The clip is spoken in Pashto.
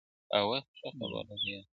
• د طبيعت دې نندارې ته ډېر حيران هم يم.